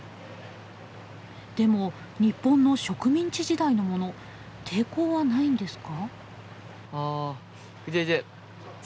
でも日本の植民地時代のもの抵抗はないんですか？